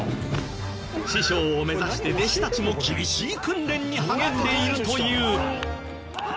師匠を目指して弟子たちも厳しい訓練に励んでいるという。